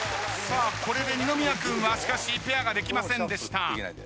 さあこれで二宮君はしかしペアができませんでした。